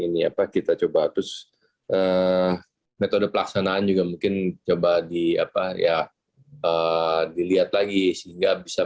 ini apa kita coba terus metode pelaksanaan juga mungkin coba di apa ya dilihat lagi sehingga bisa